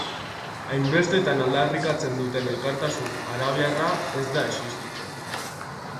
Hainbestetan aldarrikatzen duten elkartasun arabiarra, ez da existitzen.